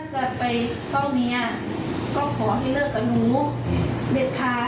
จะไปเฝ้าเมียก็ขอให้เลิกกับหนูเด็ดขาด